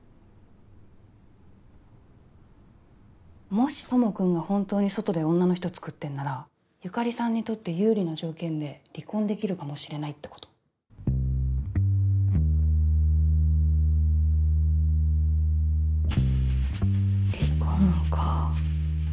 もし智くんが本当に外で女の人作ってんなら由香里さんにとって有利な条件で離婚できるかもしれないってこと離婚か。